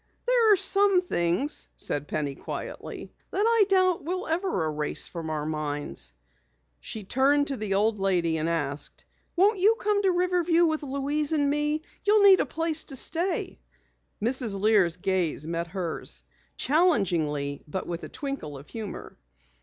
"There are some things," said Penny quietly, "that I doubt we'll ever erase from our minds." She turned to the old lady and asked: "Won't you come to Riverview with Louise and me? You'll need a place to stay " Mrs. Lear's gaze met hers, challengingly but with a twinkle of humor.